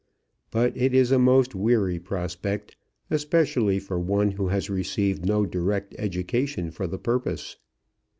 But it is a most weary prospect, especially for one who has received no direct education for the purpose.